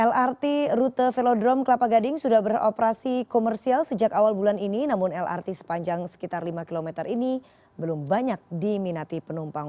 lrt rute velodrome kelapa gading sudah beroperasi komersial sejak awal bulan ini namun lrt sepanjang sekitar lima km ini belum banyak diminati penumpang